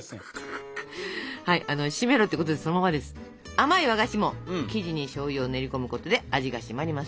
甘い和菓子も生地にしょうゆを練り込むことで味がシマります。